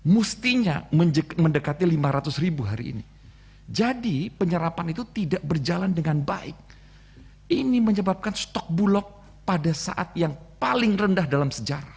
mestinya mendekati lima ratus ribu hari ini jadi penyerapan itu tidak berjalan dengan baik ini menyebabkan stok bulog pada saat yang paling rendah dalam sejarah